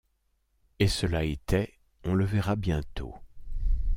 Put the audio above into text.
Et cela était, on le verra bientôt.